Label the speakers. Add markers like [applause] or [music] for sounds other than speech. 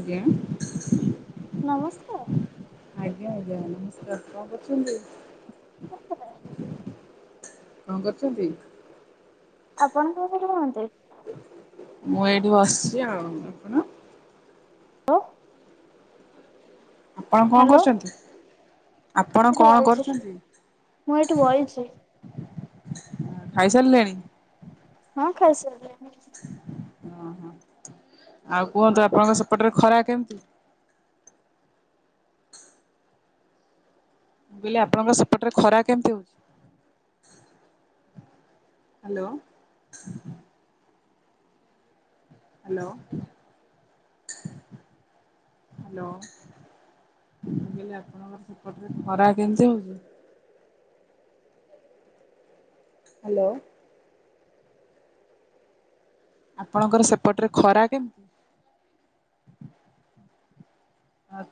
Speaker 1: ଆଜ୍ଞା।
Speaker 2: ନମସ୍କାର।
Speaker 1: ଆଜ୍ଞା ଆଜ୍ଞା [unintelligible] କଣ କରୁଛନ୍ତି? କଣ କରୁଛନ୍ତି?
Speaker 2: ଆପଣ କୋଉଠି ରୁହନ୍ତି?
Speaker 1: ମୁଁ ଏଇଠି ବସିଛି ଆଉ। ଆପଣ?
Speaker 2: [unintelligible]
Speaker 1: ଆପଣ କଣ
Speaker 2: ହ୍ୟାଲୋ
Speaker 1: କରୁଚନ୍ତି? ଆପଣ
Speaker 2: ହ୍ୟାଲୋ। ମୁଁ ଏଠି
Speaker 1: କଣ
Speaker 2: ବଇଚି
Speaker 1: କରୁଛନ୍ତି?
Speaker 2: ମୁଁ ଏଠି ବଇଚି
Speaker 1: ଖାଇସାରିଲେଣି?
Speaker 2: ହଁ ଖାଇସାଲିଣି।
Speaker 1: ଅଁ, ହଁ ଆଉ କୁହନ୍ତୁ ଆପଣଙ୍କ ସେପଟରେ ଖରା କେମିତି? ବେଲେ ଆପଣଙ୍କ ସେପଟରେ ଖରା କେମିତି ହଉଛି? ହାଲୋ। Hello, hello. ମୁଁ କହିଲି ଆପଣଙ୍କର ସେପଟରେ ଖରା କେମିତି ହଉଛି? ହାଲୋ। ଆପଣଙ୍କର ସେପଟରେ ଖରା କେମିତି? ଆ